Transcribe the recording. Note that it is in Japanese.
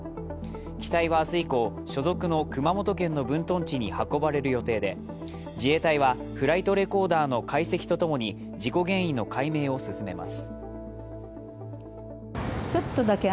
機体は明日以降、所属の熊本県の分屯地に運ばれる予定で自衛隊はフライトレコーダーの解析とともに事故原因の解明を進めます。